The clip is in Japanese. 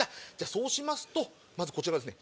そうしますとまずこちらですね